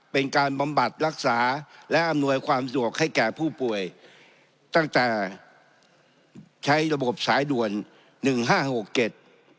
บำบัดรักษาและอำนวยความสะดวกให้แก่ผู้ป่วยตั้งแต่ใช้ระบบสายด่วนหนึ่งห้าหกเจ็ด